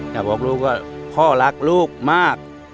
อยากบอกลูกว่าพ่อรักลูกมาก